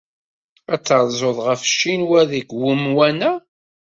Ad terzuḍ ɣef Ccinwa deg wemwan-a?